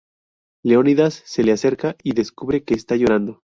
Leonidas se le acerca y descubre que está llorando.